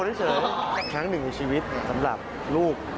เสริมครั้งหนึ่งในชีวิตสำหรับลูก